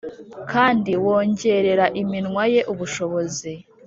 kandi wongerera iminwa ye ubushobozi